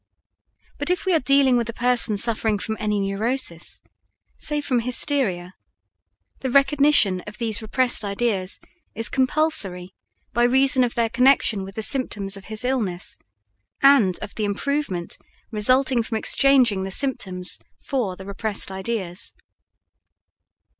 But if we are dealing with a person suffering from any neurosis say from hysteria the recognition of these repressed ideas is compulsory by reason of their connection with the symptoms of his illness and of the improvement resulting from exchanging the symptoms for the repressed ideas.